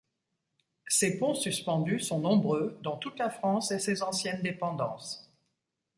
Ces ponts suspendus sont nombreux, dans toute la France et ses anciennes dépendances.